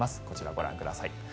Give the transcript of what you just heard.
こちらをご覧ください。